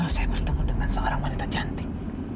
saya bertemu dengan seorang wanita cantik